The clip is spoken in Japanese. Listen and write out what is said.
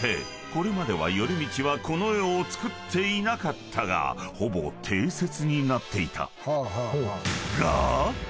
これまでは頼通はこの世をつくっていなかったがほぼ定説になっていた］